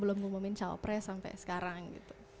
belum ngumumin cawa press sampai sekarang gitu